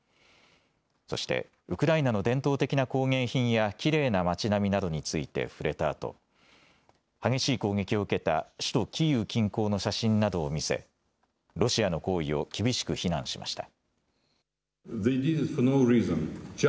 そしてウクライナの伝統的な工芸品やきれいな町並みなどについて触れたあと激しい攻撃を受けた首都キーウ近郊の写真などを見せロシアの行為を厳しく非難しました。